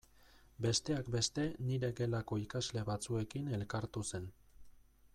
Besteak beste nire gelako ikasle batzuekin elkartu zen.